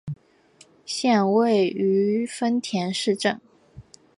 县莅位于丰田市镇。